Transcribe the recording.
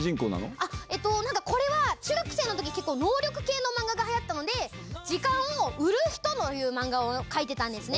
あっ、なんかこれは中学生のとき、結構、能力系の漫画がはやったので、時間を売る人という漫画を書いてたんですね。